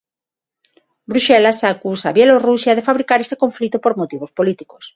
Bruxelas acusa a Bielorrusia de fabricar este conflito por motivos políticos.